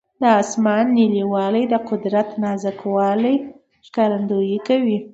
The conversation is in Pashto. د اسمان نیلاوالی د قدرت نازک والي ښکارندویي کوي.